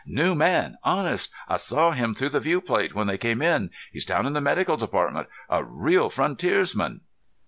" new man, honest! I saw him through the viewplate when they came in. He's down in the medical department. A real frontiersman."